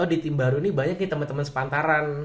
oh di tim baru ini banyak nih temen temen sepantaran